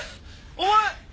お前